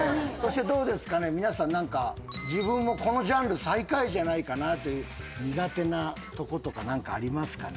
皆さん何か自分もこのジャンル最下位じゃないかなという苦手なとことか何かありますかね？